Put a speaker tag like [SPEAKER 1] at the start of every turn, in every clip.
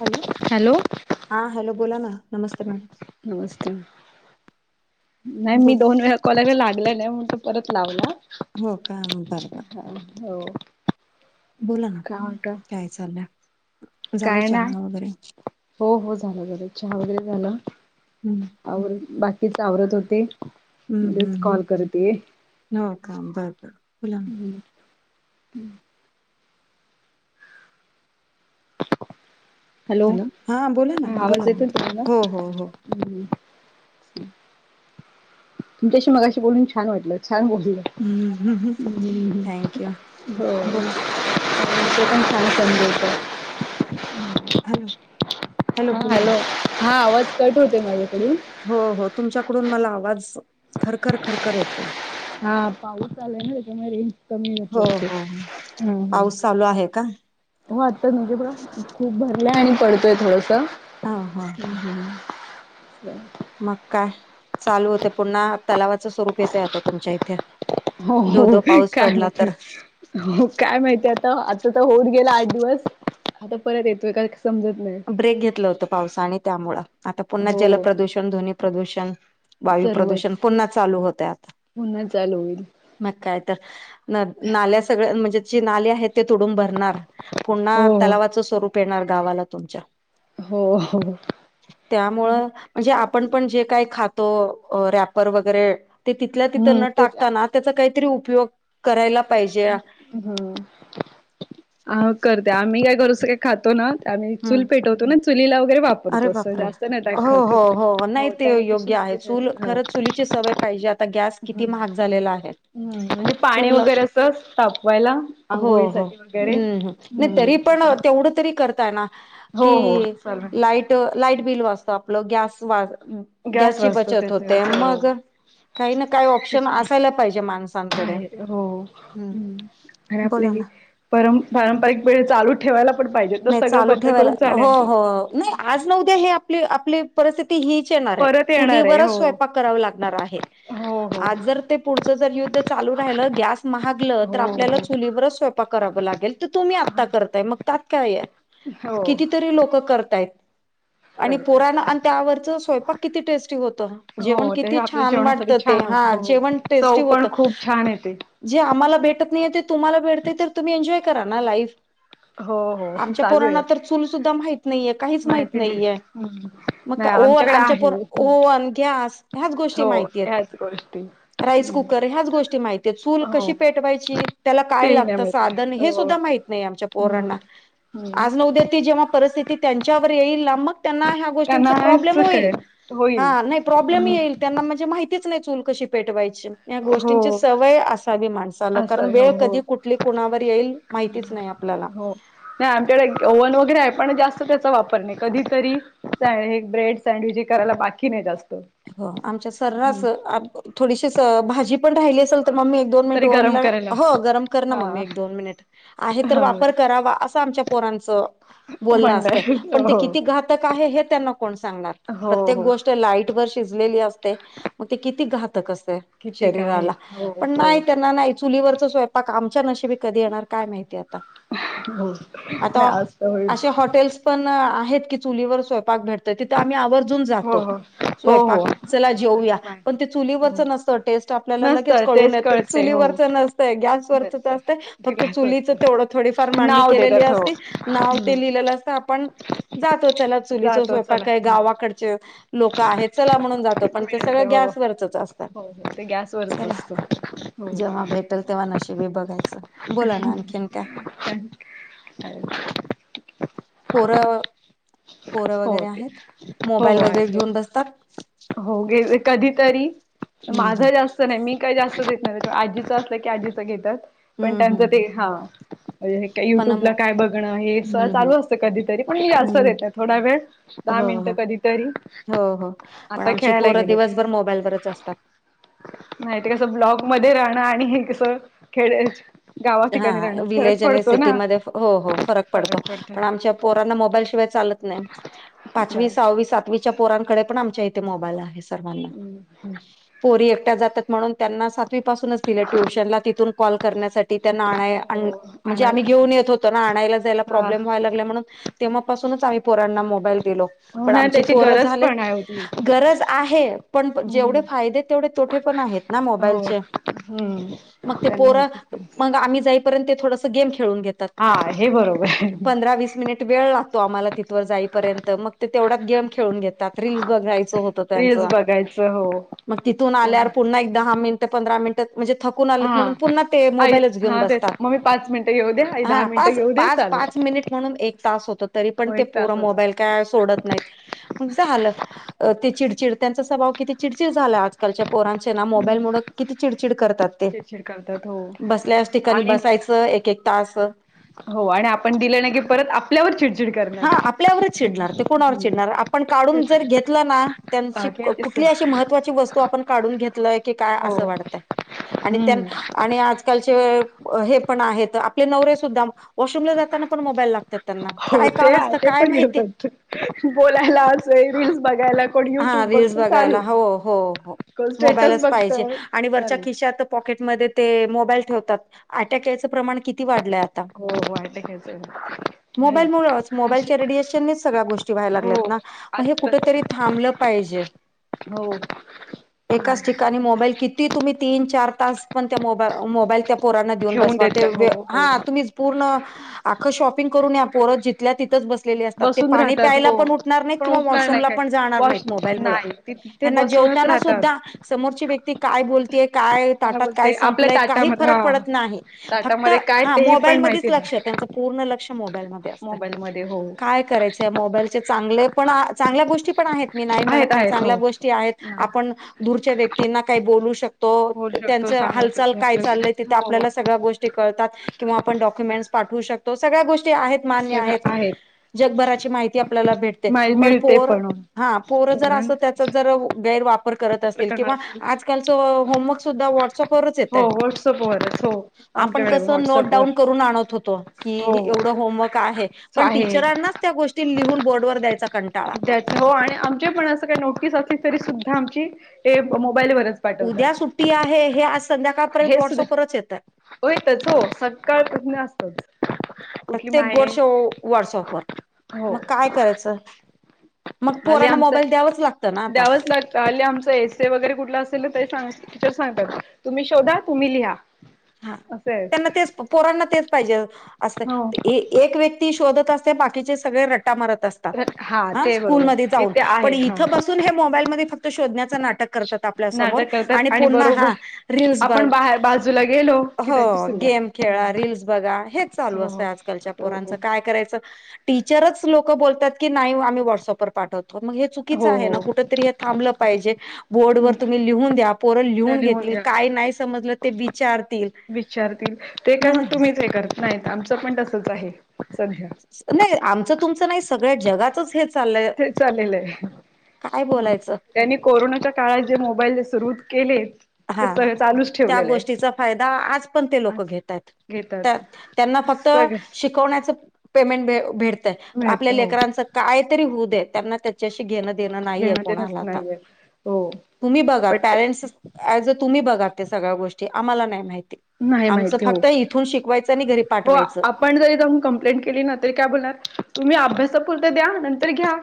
[SPEAKER 1] Hello हा hello बोला ना नमस्ते मॅ
[SPEAKER 2] नमस्ते नाही मी दोन वेळा कॉला व लागल नाही मण तू परत लावला.
[SPEAKER 1] हो का बरं बर.
[SPEAKER 2] हा हो.
[SPEAKER 1] बोला ना
[SPEAKER 2] काय म्हणत
[SPEAKER 1] काय चाललं झालं
[SPEAKER 2] काय नाही
[SPEAKER 1] चहा वगैरे.
[SPEAKER 2] हो हो झालं झालं चहा वगैरे जाणं.
[SPEAKER 1] हम्म
[SPEAKER 2] आवर बाकीचे आवरत होते.
[SPEAKER 1] हम्म
[SPEAKER 2] म्हणजेच
[SPEAKER 1] हम्
[SPEAKER 2] कॉल करते
[SPEAKER 1] हम् हो का बरं बर फुला
[SPEAKER 2] हम्
[SPEAKER 1] हॅलो हा बोला ना बोला म हो हो हो.
[SPEAKER 2] हम्. तुमच्याशी मगाशी बोलून छान वाटलं छान बोललं.
[SPEAKER 1] हम्म
[SPEAKER 2] ह्
[SPEAKER 1] थँक यू
[SPEAKER 2] हो.
[SPEAKER 1] बोला
[SPEAKER 2] ते पण छान समजायचं.
[SPEAKER 1] हॅलो.
[SPEAKER 2] हा
[SPEAKER 1] बोला ना
[SPEAKER 2] हॅलो हा आवाज कट होते माझ्याकडून
[SPEAKER 1] हो हो तुमच्याकडून मला आवाज खरखर खरखर येतो.
[SPEAKER 2] हा पाऊस चालाय त्याच्यामुळे रेंज कमी
[SPEAKER 1] हो
[SPEAKER 2] येतायत ते
[SPEAKER 1] हो हो
[SPEAKER 2] हा
[SPEAKER 1] पाऊस चालू आहे का
[SPEAKER 2] हा हो वाटतय नदी पण खूप भरलंय आणि पडतोय थोडस
[SPEAKER 1] हो हो
[SPEAKER 2] [inaudible]
[SPEAKER 1] मग काय चालू होते पुन्हा तलावाचं स्वरूप येतय आता तुमच्या इथे
[SPEAKER 2] हो हो
[SPEAKER 1] धोधो पाऊस
[SPEAKER 2] काय
[SPEAKER 1] पडला
[SPEAKER 2] माहिती
[SPEAKER 1] तर.
[SPEAKER 2] हो काय माहितीय आता आता तर होऊन गेला आठ दिवस आता परत येतोय का समजत नाही.
[SPEAKER 1] ब्रेक घेतलं होत पावसा आणि त्यामुळेळ आता पुन्हा
[SPEAKER 2] हो
[SPEAKER 1] जलप्रदूषण ध्वनी प्रदूषण. वायू
[SPEAKER 2] सर्वच
[SPEAKER 1] प्रदूषण पुन्हा चालू होतय आता.
[SPEAKER 2] चालू होईल.
[SPEAKER 1] मग काय तर न नाल्या सगळ्या म्हणजे जे नाले आहेत ते तोडून भरणार. पुन्हा
[SPEAKER 2] हो
[SPEAKER 1] तलावाचं स्वरूप येणार गावाला तुमच्या
[SPEAKER 2] हो हो
[SPEAKER 1] [inaudible] त्यामुळं. म्हणजे आपण पण जे काही खातो रॅपर वगैरे ते तिथल्या तिथं
[SPEAKER 2] हम्म
[SPEAKER 1] न
[SPEAKER 2] ते
[SPEAKER 1] टाकताना त्याचा काहीतरी उपयोग करायला पाहिजे आ
[SPEAKER 2] हम्म, आ करते आम्ही काय करूच काय खातो ना. आम्ही
[SPEAKER 1] हम्म
[SPEAKER 2] चूल पेटवतो ना चुलीला वगैरे वाप
[SPEAKER 1] अरे बापरे! हो हो हो नाही ते
[SPEAKER 2] त्याने कशी
[SPEAKER 1] योग्य आहे चूल खरं चुलीची सवय पाहिजे आता गॅस किती
[SPEAKER 2] ह.
[SPEAKER 1] महाग झालेला आहे,
[SPEAKER 2] हम्म म्हणजे पाणी
[SPEAKER 1] चूल
[SPEAKER 2] वगैरे असं तापवायला
[SPEAKER 1] हो हो,
[SPEAKER 2] आंघोळीसाठी वगैरे
[SPEAKER 1] हं हं नाही
[SPEAKER 2] हम्म
[SPEAKER 1] तरी पण
[SPEAKER 2] त्याच्या
[SPEAKER 1] तेवढं तरी करताय ना
[SPEAKER 2] हो हो
[SPEAKER 1] की
[SPEAKER 2] चालेल
[SPEAKER 1] तो लाईट बिल वाचत आपल गॅस वाच, गॅस ची
[SPEAKER 2] वाचतो
[SPEAKER 1] बचत
[SPEAKER 2] त्याचा
[SPEAKER 1] होते मग काही ना काही ऑप्शन असायला पाहिजे माणसांकडे.
[SPEAKER 2] अरे
[SPEAKER 1] बोला ना.
[SPEAKER 2] आपल्या परम पारंपरिक पिढ्या चालू ठेवायला पण पाहिजे तर
[SPEAKER 1] नाही
[SPEAKER 2] सगळं
[SPEAKER 1] चालू
[SPEAKER 2] बंद
[SPEAKER 1] ठेवायला
[SPEAKER 2] करून
[SPEAKER 1] हो
[SPEAKER 2] चालेल
[SPEAKER 1] हो नाही आज न उद्या हे आपले आपले परिस्थिती हीच येणार आहे
[SPEAKER 2] परत येणार आहे
[SPEAKER 1] चुलीवरच
[SPEAKER 2] हो
[SPEAKER 1] स्वयंपाक कराव लागणार आहे.
[SPEAKER 2] हो हो
[SPEAKER 1] आज जर ते पुढचं जर युद्ध चालू राहिलं गॅस महागलं तर
[SPEAKER 2] हो
[SPEAKER 1] आपल्याला चुलीवरच स्वय पाक कराव लागेल तर तुम्ही आता करताय मग का येत
[SPEAKER 2] हो हो
[SPEAKER 1] कितीतरी लोक करतायत आणि पोरांना,
[SPEAKER 2] करतात
[SPEAKER 1] आणि त्यावरचं स्वयंपाक किती टेस्टी होतं जेवण
[SPEAKER 2] हो ते
[SPEAKER 1] किती
[SPEAKER 2] आपल्या
[SPEAKER 1] छान
[SPEAKER 2] जेवणासाठी
[SPEAKER 1] वाटतं. ते
[SPEAKER 2] छान
[SPEAKER 1] हा
[SPEAKER 2] होत हो
[SPEAKER 1] जेवण टेस्टी
[SPEAKER 2] चव
[SPEAKER 1] होत
[SPEAKER 2] पण खूप छान येते
[SPEAKER 1] जे आम्हाला भेटत नाहीय ते तुम्हाला भेटते तर तुम्ही एन्जॉय करा ना लाईफ.
[SPEAKER 2] हो हो
[SPEAKER 1] आमच्या
[SPEAKER 2] चालू
[SPEAKER 1] पोरांना
[SPEAKER 2] आहे
[SPEAKER 1] तर चूल सुद्धा माहित नाहीये, काहीच माहित
[SPEAKER 2] माहिती नाही
[SPEAKER 1] नाहीये.
[SPEAKER 2] हम्म
[SPEAKER 1] मग
[SPEAKER 2] नाही
[SPEAKER 1] काय ओव्हन
[SPEAKER 2] आमच्याकडे
[SPEAKER 1] आमच्या
[SPEAKER 2] आहे
[SPEAKER 1] पोरा ओव्हन, गॅस ह्याच गोष्टी
[SPEAKER 2] हो
[SPEAKER 1] माहिती आहेत.
[SPEAKER 2] ह्याच गोष्टी
[SPEAKER 1] राईस
[SPEAKER 2] हम्म
[SPEAKER 1] कुकर ह्यच गोष्टी माहिती आहेत चूल
[SPEAKER 2] हो
[SPEAKER 1] कशी पेटवायची त्याला काय
[SPEAKER 2] तेही नाही
[SPEAKER 1] लागतं
[SPEAKER 2] माहिती
[SPEAKER 1] साधन हे
[SPEAKER 2] हो
[SPEAKER 1] सुद्धा माहित माहित नाही आमच्या
[SPEAKER 2] हम्म
[SPEAKER 1] पोरांना
[SPEAKER 2] हम्म
[SPEAKER 1] आज ना उद्या ती जेव्हा परिस्थिती त्यांच्यावर येईल ना मग त्यांना ह्य ह्य
[SPEAKER 2] त्यांना
[SPEAKER 1] गोष्टींचा प्रॉब्लेम
[SPEAKER 2] असं
[SPEAKER 1] होईल
[SPEAKER 2] कळेल
[SPEAKER 1] हा
[SPEAKER 2] होईल
[SPEAKER 1] नाही प्रॉब्लेम
[SPEAKER 2] हम्म
[SPEAKER 1] येईल त्यांना म्हणजे माहितीच नाही चूल कशी पेटवायची. या
[SPEAKER 2] हो
[SPEAKER 1] गोष्टींची सवय असावी माणसाला
[SPEAKER 2] असं
[SPEAKER 1] कारण
[SPEAKER 2] आहे
[SPEAKER 1] वेळ
[SPEAKER 2] हो हो
[SPEAKER 1] कधी कुठली कुणावर येईल माहितीच नाही आपल्याला.
[SPEAKER 2] हो नाही आमच्याकडे ओव्हन वगैरे आहे पण जास्त त्याचा वापर नाही कधीतरी हे ब्रेड सँडविच हे करायला बाकी नाही जास्त.
[SPEAKER 1] हो आमच्या
[SPEAKER 2] हम्म
[SPEAKER 1] सर्रास आप थोडीशीच भाजी पण राहिली असेल तर मम्मी एक-दोन मिनिट
[SPEAKER 2] तरी गरम
[SPEAKER 1] ओव्हनला
[SPEAKER 2] करायला
[SPEAKER 1] हो गरम कर ना
[SPEAKER 2] हा
[SPEAKER 1] मम्मी एक-दोन मिनिट. आहे तर
[SPEAKER 2] हा
[SPEAKER 1] वापर करावा असं आमच्या पोरांचं बोलण असतय
[SPEAKER 2] म्हणणार
[SPEAKER 1] पण ते
[SPEAKER 2] हो
[SPEAKER 1] किती घातक आहे हे त्यांना कोण सांगणार
[SPEAKER 2] हो
[SPEAKER 1] प्रत्येक
[SPEAKER 2] हो
[SPEAKER 1] गोष्ट लाईट वर शिजलेली असते मग ते किती घातक असते.
[SPEAKER 2] किती काय आहे.
[SPEAKER 1] शरीराला
[SPEAKER 2] हो
[SPEAKER 1] पण
[SPEAKER 2] हो
[SPEAKER 1] नाही त्यांना नाही चुलीवरच स्वयंपाक आमच्या नशीबी कधी येणार काय माहिती आता.
[SPEAKER 2] हो
[SPEAKER 1] आता
[SPEAKER 2] नाही आज तर होईल.
[SPEAKER 1] असे हॉटेल्स पण आहेत की चुलीवर स्वयंपाक भेटतो तिथं आम्ही आवर्जून
[SPEAKER 2] हो
[SPEAKER 1] जातो.
[SPEAKER 2] हो हो
[SPEAKER 1] स्वयंपाक
[SPEAKER 2] हो
[SPEAKER 1] चला जेऊया
[SPEAKER 2] इकडे बाय
[SPEAKER 1] पण ते चुलीवरच
[SPEAKER 2] हम्म
[SPEAKER 1] नसतं टेस्ट आपल्याला लगेच
[SPEAKER 2] नसतं
[SPEAKER 1] कळून
[SPEAKER 2] तेच
[SPEAKER 1] येते
[SPEAKER 2] कळते हो
[SPEAKER 1] चुलीवरच नसतं गॅसवरचच
[SPEAKER 2] नसतं.
[SPEAKER 1] असतं फक्त
[SPEAKER 2] ग्लास
[SPEAKER 1] चुलीच
[SPEAKER 2] होत
[SPEAKER 1] तें थोडीफार मांडणी
[SPEAKER 2] नाव
[SPEAKER 1] केलेली
[SPEAKER 2] देतात हो.
[SPEAKER 1] असते. नाव
[SPEAKER 2] हम्म
[SPEAKER 1] ते लिहिलेलं असतं आपण. जातो चला चुलीचा
[SPEAKER 2] जातो
[SPEAKER 1] स्वयंपाक
[SPEAKER 2] चला
[SPEAKER 1] काय गावाकडचे लोक आहेत. चला म्हणून जातात पण ते सगळ
[SPEAKER 2] मिळते हो.
[SPEAKER 1] गॅसवरचच असत,
[SPEAKER 2] हो हो. ते गॅसवरच
[SPEAKER 1] चला
[SPEAKER 2] असतं. हो.
[SPEAKER 1] जेव्हा भेटल तेव्हा नशीबी बघायचं, बोला ना आणखीन काय?
[SPEAKER 2] काय
[SPEAKER 1] पोरं पोरं
[SPEAKER 2] हो
[SPEAKER 1] वगैरे
[SPEAKER 2] ते
[SPEAKER 1] आहेत
[SPEAKER 2] हो
[SPEAKER 1] मोबाईल
[SPEAKER 2] हो
[SPEAKER 1] वगैरे
[SPEAKER 2] आहेत दोघ.
[SPEAKER 1] घेऊन बसतात
[SPEAKER 2] हो गे कधीतरी
[SPEAKER 1] हम्म हम्म
[SPEAKER 2] माझं जास्त नाही मी काही जास्त देत नाही आजीचं असलं की आजीच घेतात पण
[SPEAKER 1] हम्म
[SPEAKER 2] त्यांचं
[SPEAKER 1] हम्म
[SPEAKER 2] ते हा
[SPEAKER 1] पण
[SPEAKER 2] युट्यूब
[SPEAKER 1] मो
[SPEAKER 2] ला काय बघणं हे
[SPEAKER 1] हम्म हम्म
[SPEAKER 2] चालू असतं कधीतरी पण
[SPEAKER 1] हम्म
[SPEAKER 2] बघितलं थोडा वेळ दहा
[SPEAKER 1] हो
[SPEAKER 2] मिनिटं
[SPEAKER 1] हो
[SPEAKER 2] कधीतरी
[SPEAKER 1] हो हो
[SPEAKER 2] आता खेळायला गेलेत.
[SPEAKER 1] जास्तात
[SPEAKER 2] नाय ते कसं ब्लॉक मध्ये राहणं आणि हे कस खेडेत
[SPEAKER 1] हा विलेज आणि सिटीमध्ये हो हो फरक पडतो पण आमच्यात पोरांना मोबाईल शिवाय चालत नाय पाचवी, साहावी, सातवी च्या पोरांकडे पण आमच्या ईथे मोबाईल आहे सर्वांना पोरी एकट्या जातात म्हणून त्यांना सातवी पासूनच तिला ट्युशनला तिथून कॉल करण्यासा त्यांना आणाय आणं
[SPEAKER 2] हो आण
[SPEAKER 1] म्हणजे आम्ही घेऊन येत होतो ना आणायला जायला
[SPEAKER 2] हा
[SPEAKER 1] प्रॉब्लेम व्हायला लागलाय म्हणून तेव्हापासूनच आम्ही पोरांना मोबाईल दिलो
[SPEAKER 2] हो
[SPEAKER 1] पण
[SPEAKER 2] ना
[SPEAKER 1] आमची
[SPEAKER 2] त्याची
[SPEAKER 1] पोरं
[SPEAKER 2] गरज
[SPEAKER 1] झालेत
[SPEAKER 2] पण आहे होती
[SPEAKER 1] गरज आहे पण जेवढं
[SPEAKER 2] हम्म
[SPEAKER 1] फायदे तेवढे तोटे पण आहेत ना मोबाईलचे.
[SPEAKER 2] हं त्यानं होत
[SPEAKER 1] मंग आम्ही जाईपर्यंत ते थोडंसं गेम खेळून घेत
[SPEAKER 2] हा हे बरोब
[SPEAKER 1] पंधरा वीस मिनिट वेळ लागतो आम्हांला तिथवर जाईपर्यंत मग ते तेवढ्यात गेम खेळून घेतात. रिल्स बघायचं होतं त्यां
[SPEAKER 2] रिल्स बघायचं. हो
[SPEAKER 1] मग तिथून
[SPEAKER 2] कोण
[SPEAKER 1] आल्यावर पुन्हा एकदा दहा मिनिटं पंधरा मिनिटं म्हणजे थकून आलेत
[SPEAKER 2] हा
[SPEAKER 1] म्हणून पुन्हा ते
[SPEAKER 2] आई
[SPEAKER 1] मोबालच घेऊन
[SPEAKER 2] हा तेच
[SPEAKER 1] बसतात
[SPEAKER 2] मग मी पाच मिनिटं घेऊ दे आई दहा
[SPEAKER 1] हं
[SPEAKER 2] मिनिटं
[SPEAKER 1] पाच
[SPEAKER 2] घेऊ दे
[SPEAKER 1] पाच
[SPEAKER 2] चालूच
[SPEAKER 1] पाच मिनट म्हणून एक तास होतो. तरी पण
[SPEAKER 2] हो
[SPEAKER 1] ते
[SPEAKER 2] एक
[SPEAKER 1] पोरं
[SPEAKER 2] तासच
[SPEAKER 1] मोबाईल का सोडत नाहीत मग झालं अ ती चिडचिड त्यांचा स्वभाव किती चिडचिड झाला आज कालच्या पोरांचे ना मोबाईल मुळं किती चिडचिड करतात ते
[SPEAKER 2] चीड करतात हो.
[SPEAKER 1] बसल्याच ठिकाणी
[SPEAKER 2] आणि
[SPEAKER 1] बसायचं एक एक तास
[SPEAKER 2] हो आणि आपण दिलं नाय की परत आपल्यावर चिडचिड
[SPEAKER 1] हा
[SPEAKER 2] करणार
[SPEAKER 1] आपल्यावरच चिडणार ते कोणावर
[SPEAKER 2] हं
[SPEAKER 1] चिडणार आपण काढून जर घेतला ना त्यांची
[SPEAKER 2] बाकी
[SPEAKER 1] कुठली अशी महत्वाची वस् तो आपण काढून घेतलाय की काय
[SPEAKER 2] हो
[SPEAKER 1] असं वाडतय आणि त्यां
[SPEAKER 2] हम्म
[SPEAKER 1] आणि आज आजकालचे हे पण आहेत आपले नवरे सुद्धा वॉशरूम ला जाताना पण मोबाईल लागतात त्यांना
[SPEAKER 2] हो
[SPEAKER 1] काय
[SPEAKER 2] ते
[SPEAKER 1] काम असतं काय माही
[SPEAKER 2] [unintelligible] बोलायला असं रील्स बघायला कोण
[SPEAKER 1] हा
[SPEAKER 2] युट्यूब
[SPEAKER 1] रीलस
[SPEAKER 2] वरती
[SPEAKER 1] बघायला
[SPEAKER 2] चालूच
[SPEAKER 1] हो हो हो
[SPEAKER 2] कोण स्टेटस
[SPEAKER 1] मोबाईलच
[SPEAKER 2] बघत
[SPEAKER 1] पाहिजे आणि वरच्या
[SPEAKER 2] चालू
[SPEAKER 1] खिशात पॉकेट मध्ये ते मोबाईल ठेवतात अटॅक यायचं प्रमाण कित
[SPEAKER 2] हो वाढलंय याच
[SPEAKER 1] मोबाईलमुळेच
[SPEAKER 2] [unintelligible] असे
[SPEAKER 1] मोबाईलच्या रेडिएशननेच सगळ्या गोष्टी व्हायला
[SPEAKER 2] हो
[SPEAKER 1] लागल्यात ना म हे कुठं
[SPEAKER 2] आत्ताच
[SPEAKER 1] तरी थांबलं पाहिजे.
[SPEAKER 2] हो.
[SPEAKER 1] एकाच ठिकाणी मोबाईल किती तुम्ही तीन चार तास पण त्या मोबा मोबाईल त्या पोरांना देऊन
[SPEAKER 2] ठेवून
[SPEAKER 1] बसवा ते
[SPEAKER 2] देतात हो
[SPEAKER 1] व्य
[SPEAKER 2] हो
[SPEAKER 1] हा तुम्हीचं पूर्ण अख्खं शॉपिंग करून या पोरं जिथल्या तिथंच बस सलेली असतात
[SPEAKER 2] बसून
[SPEAKER 1] पाणी
[SPEAKER 2] राहतात
[SPEAKER 1] प्यायला
[SPEAKER 2] हो
[SPEAKER 1] पण उठणार नाहीत
[SPEAKER 2] पण
[SPEAKER 1] किंवा
[SPEAKER 2] उठणार नाही
[SPEAKER 1] वॉशरूमला
[SPEAKER 2] काय
[SPEAKER 1] पण जाणार
[SPEAKER 2] वॉश
[SPEAKER 1] नाहीत मोबाईल मुळं
[SPEAKER 2] नाही ते तिथे
[SPEAKER 1] ह्यांना
[SPEAKER 2] बसूनच
[SPEAKER 1] जेवताना
[SPEAKER 2] राहतात
[SPEAKER 1] सुद्धा समोरची व्यक्ती काय बोलतेय, काय ताटात काय
[SPEAKER 2] बोलते आपल्या
[SPEAKER 1] संपलंय काही
[SPEAKER 2] ताटामध्ये
[SPEAKER 1] फरक
[SPEAKER 2] हा
[SPEAKER 1] पडत नाही फक्त
[SPEAKER 2] ताटामध्ये काय
[SPEAKER 1] हा
[SPEAKER 2] तेही पण
[SPEAKER 1] मोबाईलमध्येच
[SPEAKER 2] माहिती
[SPEAKER 1] लक्ष त्यांच पूर्ण लक्ष मोबाइलमध्ये अस
[SPEAKER 2] मोबाईलमध्ये हो
[SPEAKER 1] काय करायचंय मोबाईलचे चांगले पण चांगल्या गोष्टी पण आहेत. मी नाही म्हणत
[SPEAKER 2] आहेत
[SPEAKER 1] नाही
[SPEAKER 2] आहेत
[SPEAKER 1] चांगल्या गोष्टी आहेत
[SPEAKER 2] हो
[SPEAKER 1] आपण दूरच्या व्यक्तींना काही बोलू शक तो
[SPEAKER 2] बोलू शकतो
[SPEAKER 1] त्यांच
[SPEAKER 2] सांगायच
[SPEAKER 1] हालचाल काय
[SPEAKER 2] आपल्या
[SPEAKER 1] चालय तिथे
[SPEAKER 2] हो
[SPEAKER 1] आपल्याला स त्या गोष्टी कळतात किंवा आपण डाक्युमेंटस पाठवू शकतो सगळ्या गोष्टी आहेत.
[SPEAKER 2] सगळं आहेत.
[SPEAKER 1] जगभराची माहिती आपल्याला भेटते
[SPEAKER 2] मा
[SPEAKER 1] पण
[SPEAKER 2] मिळते
[SPEAKER 1] पोर हा पोर जर
[SPEAKER 2] तोरण
[SPEAKER 1] अस त्यात चा जर गैरवापर करत असतील
[SPEAKER 2] प्रकरण
[SPEAKER 1] किंवा
[SPEAKER 2] असेल
[SPEAKER 1] आजकालचं होमवर्क सुद्धा व्हॉट्सअपवरच येतय.
[SPEAKER 2] व्हॉट्सअँप वरच हो
[SPEAKER 1] आपण
[SPEAKER 2] आमच्याकडे
[SPEAKER 1] कसं नोट
[SPEAKER 2] व्हॉट्सअपवर
[SPEAKER 1] डाऊन करून आणत होतो
[SPEAKER 2] हो
[SPEAKER 1] की एवढं होमवर्क आहे. पण
[SPEAKER 2] आहे
[SPEAKER 1] टीचरांनाच त्या गोष्टी लिहून बोर्डवर द्यायचा कंटाळा
[SPEAKER 2] त्याच्या हो आणि आमचे पण असं काही नोटीस असली तरी सुद्धा आमची मोबाईल वरच
[SPEAKER 1] उद्या सुट्टी आहे हे आज संध्याकाळपर्यंत व्हॉट्सअपवरच येतंय
[SPEAKER 2] हो येतच हो सकाळपासन असतोच कुठली
[SPEAKER 1] प्रत्येक गोष्ट
[SPEAKER 2] माहित हो
[SPEAKER 1] च्
[SPEAKER 2] आले आमचं
[SPEAKER 1] लागतं ना आता
[SPEAKER 2] द्यावच लागत. तर हल्ली आमचं येससे वगैरे कुठला असेल ना ते टीचर सांगतात तुम्ही शोधा, तुम्ही लिहा.
[SPEAKER 1] हा
[SPEAKER 2] असं आहे.
[SPEAKER 1] त्यांना तेच पोरांना तेच पाहिजे अस
[SPEAKER 2] हो.
[SPEAKER 1] एक व्यक्ती शोधत असते बाकीचे सगळे रट्टा मारत असते
[SPEAKER 2] तर
[SPEAKER 1] हा
[SPEAKER 2] ते
[SPEAKER 1] स्कूलमध्ये
[SPEAKER 2] बरोबर
[SPEAKER 1] जाऊन
[SPEAKER 2] इथे
[SPEAKER 1] पण
[SPEAKER 2] आहे हा.
[SPEAKER 1] इथं बसून हे मोबाईल मध्ये फक्त शोधण्याचं नाटक करतात आपल्या समोर
[SPEAKER 2] नाटक
[SPEAKER 1] आणि
[SPEAKER 2] करतात
[SPEAKER 1] पुन्हा
[SPEAKER 2] बरोबर
[SPEAKER 1] हा रिल्स
[SPEAKER 2] आपण
[SPEAKER 1] बग
[SPEAKER 2] बाहेर बाजूला गेलो की
[SPEAKER 1] हो
[SPEAKER 2] त्यांची
[SPEAKER 1] गेम
[SPEAKER 2] सुरुवात
[SPEAKER 1] खेळा, रील्स बघा, हेच चालू
[SPEAKER 2] हो हो.
[SPEAKER 1] असतं आजकालच्या
[SPEAKER 2] हो हो.
[SPEAKER 1] पोरांचं काय करायचं? टीचरच लोकं बोलतात की नाही वो आम्ही व्हॉट्सअपवर पाठवतो मग हे
[SPEAKER 2] हो
[SPEAKER 1] चुकीचं आहे ना कुठ
[SPEAKER 2] हो
[SPEAKER 1] तरी हे थांबलं पाहिजे. बोर्डवर तुम्ही लिहून द्या पोरं
[SPEAKER 2] त्या
[SPEAKER 1] लिहून घेतील
[SPEAKER 2] घ्या.
[SPEAKER 1] काय नाही समजलं ते विचार
[SPEAKER 2] विचारतील ते का तुम्हीच हे करत नाहीत आमचं पण तसच आहे सध्या
[SPEAKER 1] नाही आमचं तुमचं नाही सगळ्या जगातच हेच चाललंय
[SPEAKER 2] ते चाललेलं आहे
[SPEAKER 1] काय बोलायचं
[SPEAKER 2] त्यांनी कोरोनाच्या काळात जे मोबाईल सुरू केलेत
[SPEAKER 1] हा हा त्या गोष्टीचा फायदा आज पण ते लोकं
[SPEAKER 2] आज
[SPEAKER 1] घेत आहेत.
[SPEAKER 2] घेतात
[SPEAKER 1] त्यांना फक्त
[SPEAKER 2] सगळेच
[SPEAKER 1] शिकवण्याचं पेमेंट भ भेट तय आपल्या
[SPEAKER 2] मिळते हो.
[SPEAKER 1] लेकराचं काय तरी होऊ दे त्यांना त्याच्याशी घेणं देणं नाहीये
[SPEAKER 2] घेणं
[SPEAKER 1] कोणाला आता
[SPEAKER 2] [unintelligible]
[SPEAKER 1] तुम्ही बघा
[SPEAKER 2] बट
[SPEAKER 1] पॅरेंट्स अँज तुम्ही बघा ते सगळ्या गोष्टी आम्हांला नाही माहिती
[SPEAKER 2] नाही
[SPEAKER 1] आमचं
[SPEAKER 2] माहिती हो
[SPEAKER 1] फक्त इथून शिकवायचं आणि घरी
[SPEAKER 2] हो
[SPEAKER 1] पाठवायचं.
[SPEAKER 2] आपण जरी जाऊन कंप्लेट केली ना तरी काय बोलणार तुम्ही अभ्यासापुरते द्या नंतर घ्या.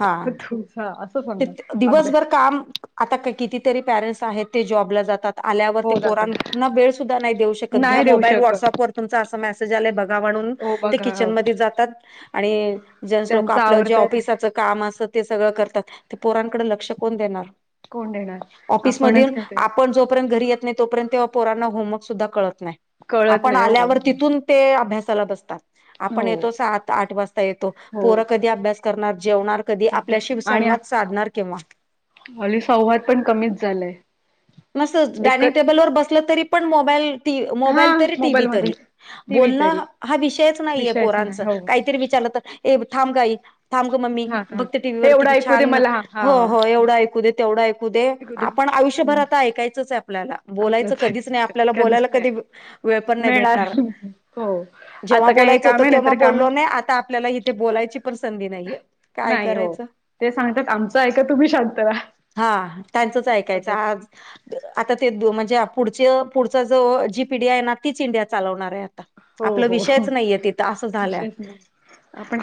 [SPEAKER 1] हा
[SPEAKER 2] तुझा असं
[SPEAKER 1] ते
[SPEAKER 2] सांगणार अभ्यास
[SPEAKER 1] दिवसभर काम आता का कितीतरी पॅरेंट्स आहेत ते जॉबला जातात. आल्यावर ते
[SPEAKER 2] हो जात
[SPEAKER 1] पोरांना वेळ सुद्धा नाही देऊ शकत घ्या
[SPEAKER 2] नाही देऊ
[SPEAKER 1] मोबाईल
[SPEAKER 2] शकत
[SPEAKER 1] व्हॉट्सअपवर तुमं असा मॅसेज कसं झालंय बघा म्हणून
[SPEAKER 2] हो
[SPEAKER 1] ते
[SPEAKER 2] बघा हो
[SPEAKER 1] किचनमध्ये जातात आणि जेन्टस लोकं
[SPEAKER 2] त्यांच
[SPEAKER 1] आपलं जे
[SPEAKER 2] आवडतात
[SPEAKER 1] ऑफिसचा काम असं ते सगळं करतात ते पोरांकडे लक्ष कोण देणार?
[SPEAKER 2] कोण देणार
[SPEAKER 1] ऑफिसमध्ये
[SPEAKER 2] आपणच खात
[SPEAKER 1] आपण जोपर्यंत घरी येत नाही तोपर्यंत तेव्हा पोरांना होमवर्क सुद्धा कळत नाही
[SPEAKER 2] कळत
[SPEAKER 1] आपण
[SPEAKER 2] नाही हो
[SPEAKER 1] आल्यावर तिथून अभ्यासाला बसतात आपण
[SPEAKER 2] हो
[SPEAKER 1] येतो सात आठ वाजता येतो
[SPEAKER 2] हो
[SPEAKER 1] पो कधी अभ्यास करणार जेवणार कधी आपल्याशी संवाद साधणार किंवा
[SPEAKER 2] अली संवाद पण कमीच झालाय
[SPEAKER 1] मस् डायनिंग
[SPEAKER 2] एकच
[SPEAKER 1] टेबलवरर बसलं तरी पण मोबाईल मोबाईल
[SPEAKER 2] हा
[SPEAKER 1] तरी टीव्ही
[SPEAKER 2] मोबाईल मध्ये
[SPEAKER 1] तरी
[SPEAKER 2] टी व्ही तरी
[SPEAKER 1] बोलणं हा विषयच नाहीये
[SPEAKER 2] विषयच
[SPEAKER 1] पोरांचं
[SPEAKER 2] नाही हो
[SPEAKER 1] काहीतरी विचारलं तर ए थांब ग आई थांब ग मम्मी
[SPEAKER 2] हा हा
[SPEAKER 1] बघ ते टीव्हीवर
[SPEAKER 2] एवढं
[SPEAKER 1] किती
[SPEAKER 2] ऐकू दे
[SPEAKER 1] छान
[SPEAKER 2] मला हा
[SPEAKER 1] हो
[SPEAKER 2] हा
[SPEAKER 1] हो एवढं ऐकू दे, तेवढं ऐकू दै
[SPEAKER 2] ऐकू दे
[SPEAKER 1] आपण आयुष्यभर आता ऐकायचंच आहे आपल्याला बोलायचं
[SPEAKER 2] आलंच
[SPEAKER 1] कधीच नाही आपल्याला
[SPEAKER 2] कधीच
[SPEAKER 1] बोलायला
[SPEAKER 2] नाही
[SPEAKER 1] कधी वेळ पण नाही
[SPEAKER 2] मिळणार
[SPEAKER 1] भेटणार.
[SPEAKER 2] हो
[SPEAKER 1] जेव्हा
[SPEAKER 2] आता काय हे
[SPEAKER 1] बोलायचं
[SPEAKER 2] काम
[SPEAKER 1] होतं
[SPEAKER 2] आहे नाही
[SPEAKER 1] तेव्हा
[SPEAKER 2] तर काम
[SPEAKER 1] बोललो नाही
[SPEAKER 2] आहे
[SPEAKER 1] आता आपल्याला इथे बोलायची पण संधी नाहीये. काय
[SPEAKER 2] नाही हो
[SPEAKER 1] करायचं
[SPEAKER 2] ते सांगतात आमचं ऐका तुम्ही शांत रहा.
[SPEAKER 1] हा त्यांचंच ऐकायचं आज आता ते म्हणजे पुढ पुढचा जो जी पीडीया आहे ना तीच इंडिया चालवणार आहे आता
[SPEAKER 2] हो
[SPEAKER 1] आपला
[SPEAKER 2] हो
[SPEAKER 1] विषयच नाहीये तिथं असं झालंय
[SPEAKER 2] विषयच नाही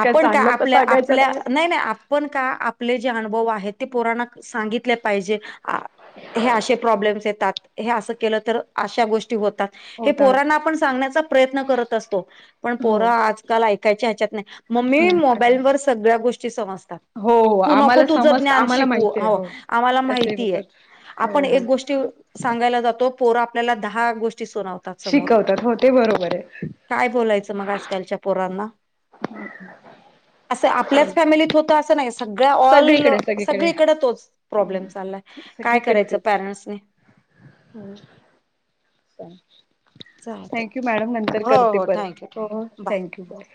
[SPEAKER 2] काय
[SPEAKER 1] आपण का
[SPEAKER 2] चांगलं
[SPEAKER 1] आपल्या
[SPEAKER 2] सांगायचं
[SPEAKER 1] आपल्या नाही नाही आ पण का आपले जे अनुभव आहेत ते पोरांना सांगितले पाहिजे
[SPEAKER 2] ह
[SPEAKER 1] हे असे प्रॉब्लेम्स येतात हे असं केलं तर अशा गोष्टी होतात हे
[SPEAKER 2] होतात
[SPEAKER 1] पोरांना आपण सांगण्याचा प्रयत्न करत असतो पण पोर
[SPEAKER 2] हो
[SPEAKER 1] आजकाल ऐकायच्या ह्याच्यात नाही मम्मी
[SPEAKER 2] नाही
[SPEAKER 1] मोबाईलवर
[SPEAKER 2] करणार
[SPEAKER 1] सगळ्या गोष्टी समजतात
[SPEAKER 2] हो हो
[SPEAKER 1] तू नको
[SPEAKER 2] आम्हाला
[SPEAKER 1] तुझं
[SPEAKER 2] समजत
[SPEAKER 1] ज्ञान
[SPEAKER 2] आम्हाला
[SPEAKER 1] शिकवू
[SPEAKER 2] माहिती आहे
[SPEAKER 1] हो आम्हाला
[SPEAKER 2] असे
[SPEAKER 1] माहितीये
[SPEAKER 2] होतात
[SPEAKER 1] आपण
[SPEAKER 2] हो
[SPEAKER 1] एक
[SPEAKER 2] हो
[SPEAKER 1] गोष्टी सांगायला जातो पोरं आपल्याला दहा गोष्टी सुनाव...
[SPEAKER 2] शिकवतात हो ते बरोबर आहे
[SPEAKER 1] काय बोलायचं मग आजकालच्या पोरांना
[SPEAKER 2] अम्छ [inaudible] [unintelligible]
[SPEAKER 1] असं आपल्याच फॅमिलीत होतं असं नाही गळ्या ऑल सगळीकडे तोच प्रॉब्लेम चाललाय काय करायचं पॅरेंट्सनं
[SPEAKER 2] हम्च्छ [inaudible]
[SPEAKER 1] चालतंय
[SPEAKER 2] थँक्यू मॅडम नंतर
[SPEAKER 1] हो
[SPEAKER 2] करते
[SPEAKER 1] हो
[SPEAKER 2] परत
[SPEAKER 1] थँक्यू
[SPEAKER 2] हो
[SPEAKER 1] थँक्यू बाय
[SPEAKER 2] थँक्यू बाय